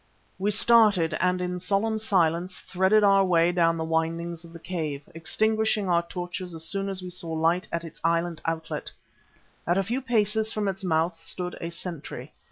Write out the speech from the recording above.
We started, and in solemn silence threaded our way down the windings of the cave, extinguishing our torches as soon as we saw light at its inland outlet. At a few paces from its mouth stood a sentry.